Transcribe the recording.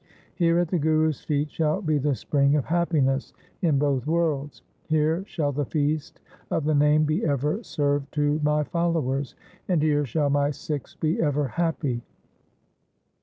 Here at the Guru's feet shall be the spring of happiness in both worlds ; here shall the feast of the Name be ever served to my followers ; and here shall my Sikhs be ever happy.